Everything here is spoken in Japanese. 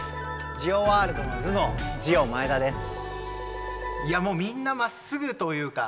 ジオワールドの頭脳ジオマエダです。